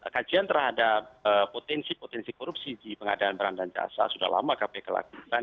kajian terhadap potensi potensi korupsi di pengadaan barang dan jasa sudah lama kpk lakukan